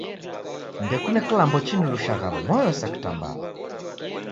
Ndokune kilambo chinilushagha moyo sa kitambala.